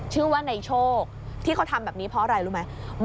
ชื่อว่าในโชคที่เขาทำแบบนี้เพราะอะไรรู้ไหม